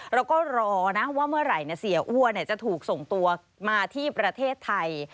เราก็รอนะว่าเมื่อไหร่เสียอ้วนจะถูกส่งตัวมาที่ประเทศไทย